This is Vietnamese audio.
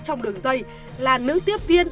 trong đường dây là nữ tiếp viên